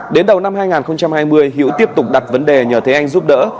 đến đầu năm hai nghìn hai mươi hữu tiếp tục đặt vấn đề nhờ thế anh giúp đỡ